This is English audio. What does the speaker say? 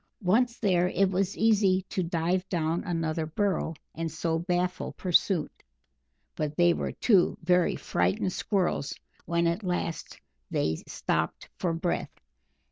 Once there, it was easy to dive down another burrow and so baffle pursuit, but they were two very frightened Squirrels when at last they stopped for breath.